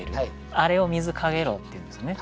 あれを水かげろうっていうんですよね。